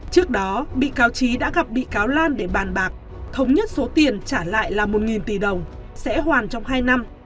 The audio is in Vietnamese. trước đó bị cáo trí đã gặp bị cáo lan để bàn bạc thống nhất số tiền trả lại là một tỷ đồng sẽ hoàn trong hai năm